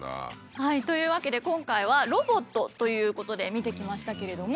はいというわけで今回は「ロボット」ということで見てきましたけれども。